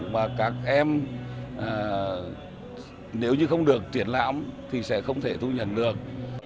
và các em nếu như không được triển lãm thì sẽ không thể thu nhận được